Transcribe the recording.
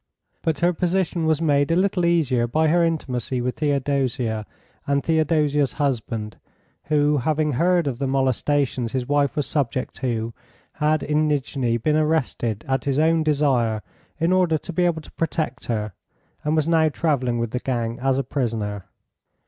But her position was made a little easier by her intimacy with Theodosia, and Theodosia's husband, who, having heard of the molestations his wife was subject to, had in Nijni been arrested at his own desire in order to be able to protect her, and was now travelling with the gang as a prisoner.